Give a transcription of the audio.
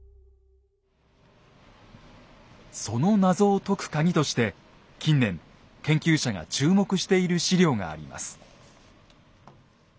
その謎を解くカギとして近年研究者が注目している史料があります。